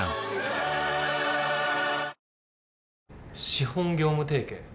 資本業務提携。